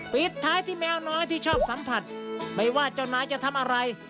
ปิดท้ายที่แมวน้อยที่ชอบสัมผัสไม่ว่าเจ้านายจะทำอะไร